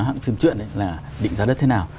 hãng phim truyện là định giá đất thế nào